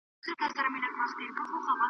د بد زوی له لاسه ښه پلار ښکنځل کېږي